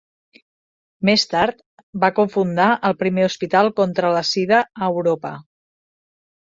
Més tard va cofundar el primer hospital contra la sida a Europa.